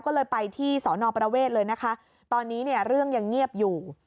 ก็เลยไปที่สอนอประเวทเลยนะคะตอนนี้เนี่ยเรื่องยังเงียบอยู่